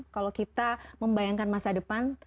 kalau kita membayangkan masa depan